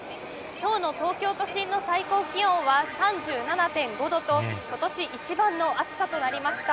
きょうの東京都心の最高気温は３７．５度と、ことし一番の暑さとなりました。